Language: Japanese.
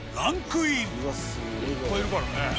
いっぱいいるからね。